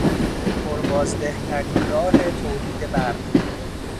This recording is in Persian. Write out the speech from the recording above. پر بازده ترین راه تولید برق